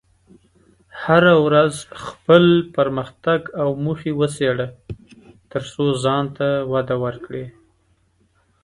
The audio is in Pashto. هره ورځ خپل پرمختګ او موخې وڅېړه، ترڅو ځان ته وده ورکړې.